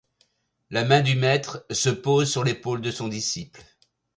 La main du maître se pose sur l’épaule de son disciple.